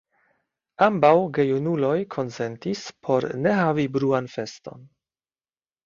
Ambaŭ gejunuloj konsentis por ne havi bruan feston.